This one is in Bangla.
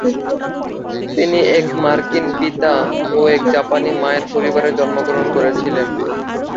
তিনি এক মার্কিন পিতা ও এক জাপানি মায়ের পরিবারে জন্মগ্রহণ করেছিলেন।